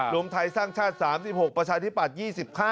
รวมไทยสร้างชาติ๓๖ประชาธิปัตย์๒๕